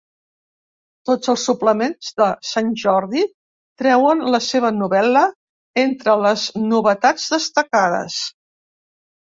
Tots els suplements de Sant Jordi treuen la seva novel·la entre les novetats destacades.